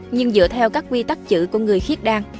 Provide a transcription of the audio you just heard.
nhưng dựa theo các quy tắc chữ của người khiết đan